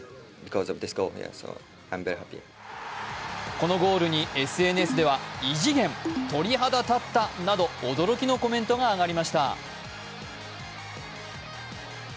このゴールにＳＮＳではエグイ、鳥肌立ったなど驚きのコメントが上がりました。